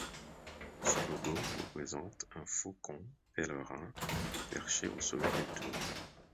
Son logo représente un faucon pèlerin perché au sommet d'une tour.